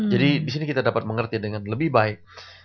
jadi di sini kita dapat mengerti dengan lebih baik